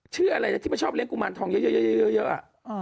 ชื่ออะไรนะที่ไม่ชอบเลี้ยกุมารทองเยอะ